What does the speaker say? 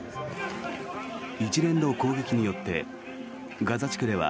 一連の攻撃によってガザ地区では